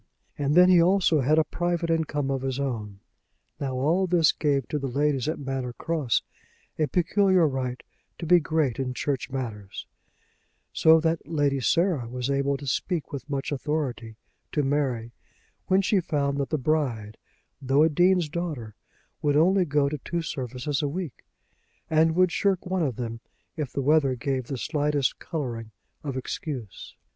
And then he also had a private income of his own. Now all this gave to the ladies at Manor Cross a peculiar right to be great in church matters, so that Lady Sarah was able to speak with much authority to Mary when she found that the bride, though a Dean's daughter, would only go to two services a week, and would shirk one of them if the weather gave the slightest colouring of excuse.